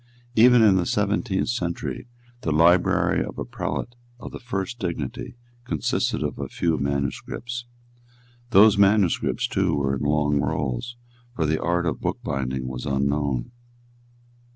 Even in the seventeenth century the library of a prelate of the first dignity consisted of a few manuscripts. Those manuscripts too were in long rolls; for the art of bookbinding was unknown.